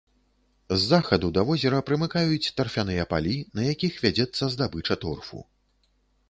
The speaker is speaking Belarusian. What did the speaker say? З захаду да возера прымыкаюць тарфяныя палі, на якіх вядзецца здабыча торфу.